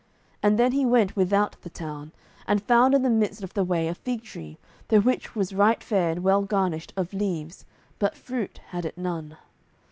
And then He went without the town, and found in the midst of the way a fig tree, the which was right fair and well garnished of leaves, but fruit had it none.